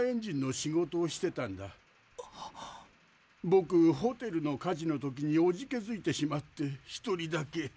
ぼくホテルの火事の時におじけづいてしまって一人だけ。